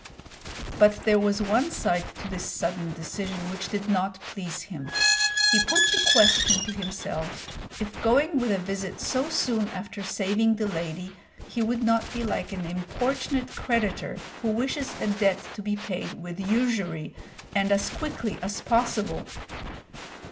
But there was one side to this sudden decision which did not please him. He put the question to himself if going with a visit so soon after saving the lady he would not be like an importunate creditor who wishes a debt to be paid with usury and as quickly as possible.